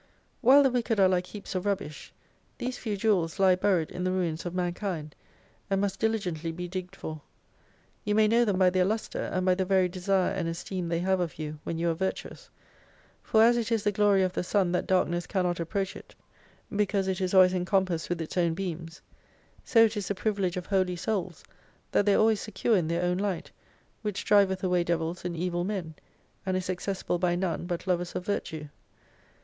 While the wicked are like heaps of rubbish, these few jewels lie buried in the ruins of mankind : and must dihgently be digged for. You may know them by their lustre, and by the very'desire and esteem they have of you when you are virtuous. For as it is the glory of the sun that darkness cannot approach it, because it is always encompassed with its own beams ; so it is the privilege of Holy Souls, that they are always secure in their own light, which drive th away devils and evil men : and is accessible by none, but lovers of virtue.